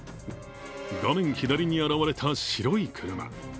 画面左に現れた白い車。